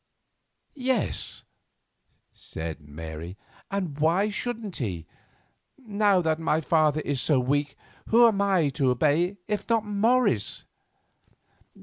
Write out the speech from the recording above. "Yes," said Mary, "and why shouldn't he? Now that my father is so weak who am I to obey if not Morris?"